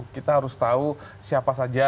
kita harus tahu siapa saja